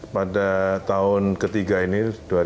pada tahun ketiga ini